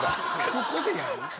ここでやる？